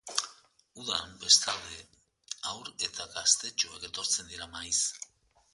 Udan, bestalde, haur eta gaztetxoak etortzen dira maiz.